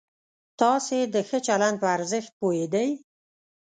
تاسې د ښه چلند په ارزښت پوهېدئ؟